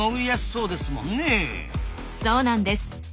そうなんです。